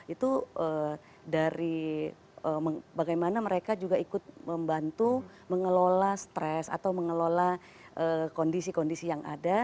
itu dari bagaimana mereka juga ikut membantu mengelola stres atau mengelola kondisi kondisi yang ada